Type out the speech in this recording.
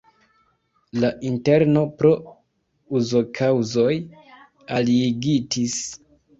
La interno pro uzokaŭzoj aliigitis.